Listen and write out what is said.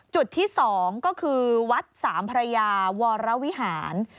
จุดที่๒ก็คือวัดสามพระยาวรวิหาร